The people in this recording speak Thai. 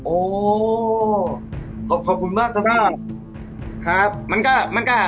โอ้ขอบคุณมากครับ